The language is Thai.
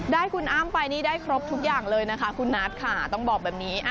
ได้คุณอ้ำไปนี่ได้ครบทุกอย่างเลยนะคะคุณนัทค่ะต้องบอกแบบนี้